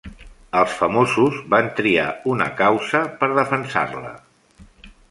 Els famosos van triar una causa, per defensar-la.